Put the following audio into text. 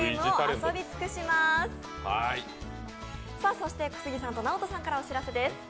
そして小杉さんとＮＡＯＴＯさんからお知らせです。